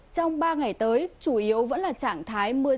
trong ba ngày tới chủ yếu vẫn là trạng thái mưa